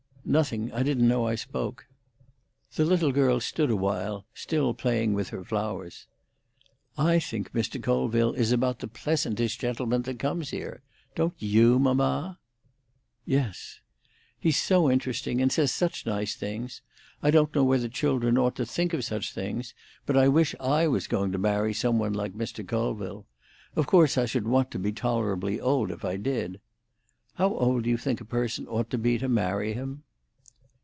"Nothing. I didn't know I spoke." The little girl stood a while still playing with her flowers. "I think Mr. Colville is about the pleasantest gentleman that comes here. Don't you, mamma?" "Yes." "He's so interesting, and says such nice things. I don't know whether children ought to think of such things, but I wish I was going to marry some one like Mr. Colville. Of course I should want to be tolerably old if I did. How old do you think a person ought to be to marry him?"